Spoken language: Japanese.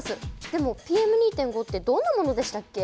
でもＰＭ２．５ってどんなものでしたっけ？